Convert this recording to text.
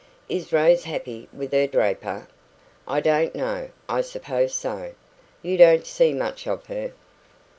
"Is Rose happy with her draper?" "I don't know I suppose so." "You don't see much of her?"